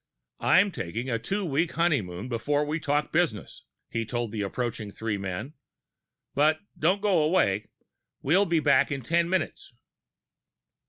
"I'm taking a two week honeymoon before we talk business," he told the approaching three men. "But don't go away. We'll be back in ten minutes!"